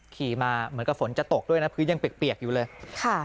ขี่มาเหมือนกับฝนจะตกด้วยนะพื้นยังเปียกอยู่เลยค่ะ